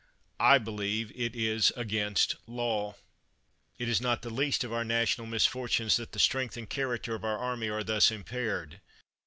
I believe it is against law. It is not the least of our national misfortunes that the strength and character of our army are thus impaired.